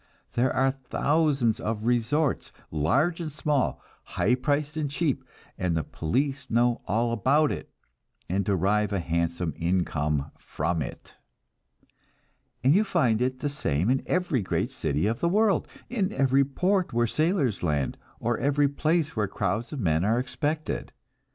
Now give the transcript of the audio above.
There are thousands of resorts, large and small, high priced and cheap, and the police know all about it, and derive a handsome income from it. And you find it the same in every great city of the world; in every port where sailors land, or every place where crowds of men are expected.